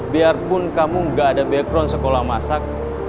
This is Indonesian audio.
biarpun kamu gak ada background sekolah masak